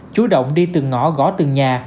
chú động đi từng ngõ gõ từng nhà